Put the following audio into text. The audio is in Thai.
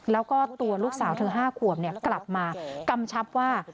แล้วก็ตัวลูกสาวเธอ๕ขวบกลับมากำชับว่า